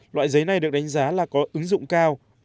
loại giấy này được đánh giá là có ứng dụng cao